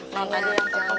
non tadi yang tukang lamun